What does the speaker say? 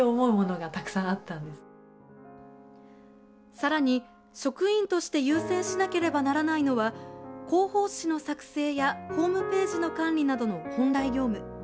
さらに、職員として優先しなければならないのは広報誌の作成やホームページの管理などの本来業務。